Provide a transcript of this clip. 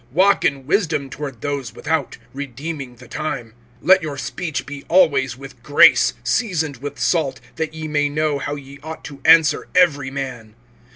(5)Walk in wisdom toward those without, redeeming the time. (6)Let your speech be always with grace, seasoned with salt, that ye may know how ye ought to answer every man.